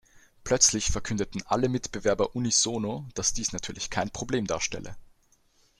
Plötzlich verkündeten alle Mitbewerber unisono, dass dies natürlich kein Problem darstelle.